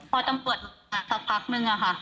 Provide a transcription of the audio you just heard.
พอตำรวจมาสักพักหนึ่งค่ะ